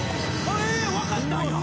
分かったんや！